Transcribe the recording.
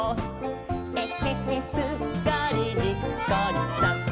「えへへすっかりにっこりさん！」